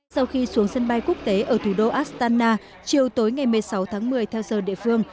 sau khi xuống sân bay quốc tế ở thủ đô astana chiều tối ngày một mươi sáu tháng một mươi theo giờ địa phương